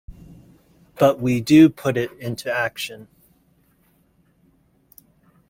But we do put it into action.